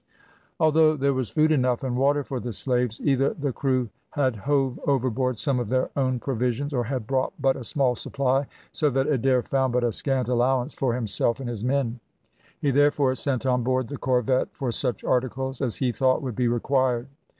Although there was food enough and water for the slaves, either the crew had hove overboard some of their own provisions, or had brought but a small supply, so that Adair found but a scant allowance for himself and his men; he therefore sent on board the corvette for such articles as he thought would be required.